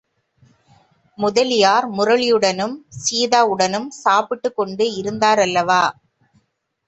முதலியார், முரளியுடனும் சீதாவுடனும் சாப்பிட்டுக் கொண்டு இருந்தாரல்லவா?